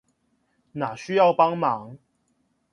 哪需要幫忙